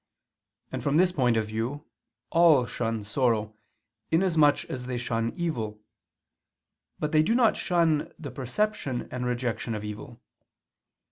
And from this point of view, all shun sorrow, inasmuch as they shun evil: but they do not shun the perception and rejection of evil.